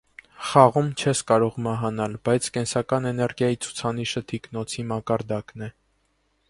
Խաղում չես կարող մահանալ, բայց կենսական էներգիայի ցուցանիշը թիկնոցի մակարդակն է։